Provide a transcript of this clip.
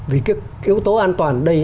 vì cái yếu tố an toàn đây